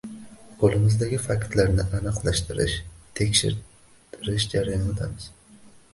Qoʻlimizdagi faktlarni aniqlashtirish, tekshirish jarayonidamiz.